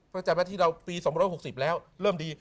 ประจำที่เราปี๒๖๐แล้วเริ่มดี